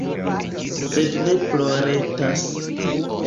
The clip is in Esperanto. Sed ne ploretas.